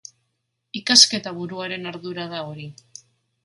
Ikasketa buruaren ardura da hori.